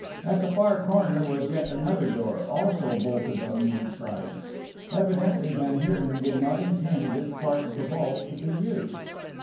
At the far corner was yet another door, also bolted on the inside. Evidently van Heerden did not intend this part of the vault to be used.